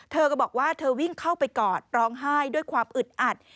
เธอก็บอกว่าเธอวิ่งเข้าไปกอดร้องไห้ด้วยความอึดอัด